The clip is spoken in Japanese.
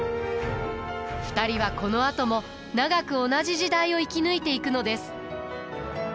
２人はこのあとも長く同じ時代を生き抜いていくのです。